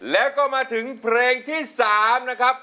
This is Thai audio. แล้วแรงเกมเป็นกับเราค่ะ